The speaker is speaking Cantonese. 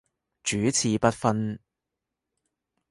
主次不分